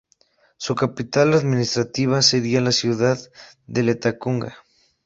Su capital administrativa sería la ciudad de Latacunga.